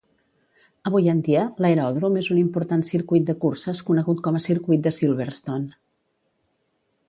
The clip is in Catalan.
Avui en dia, l'aeròdrom és un important circuit de curses conegut com a circuit de Silverstone.